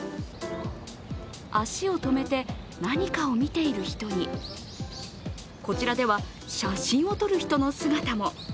足を止めて何かを見ている人にこちらでは写真を撮る人の姿も。